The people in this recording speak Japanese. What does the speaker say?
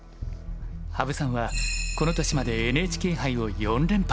羽生さんはこの年までＮＨＫ杯を４連覇。